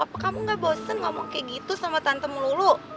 apa kamu gak bosen ngomong kayak gitu sama tante melulu